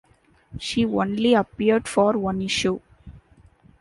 She only appeared for one issue.